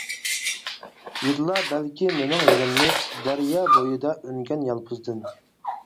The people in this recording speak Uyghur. ھىدلا بەلكى مېنىڭ ھىدىمنى، دەريا بويىدا ئۈنگەن يالپۇزدىن.